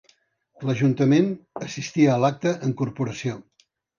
L'ajuntament assistí a l'acte en corporació.